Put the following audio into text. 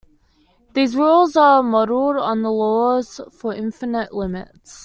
These rules are modeled on the laws for infinite limits.